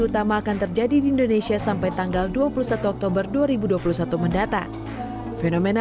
utama akan terjadi di indonesia sampai tanggal dua puluh satu oktober dua ribu dua puluh satu mendatang fenomena